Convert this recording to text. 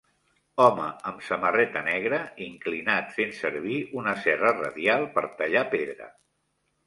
Home amb samarreta negre inclinat fent servir una serra radial per tallar pedra.